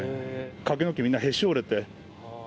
柿の木がみんなへし折れて。